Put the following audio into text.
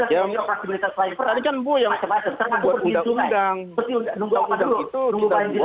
kalau dulu berdua ada di komunisasi